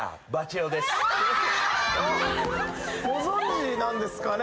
ご存じなんですかね？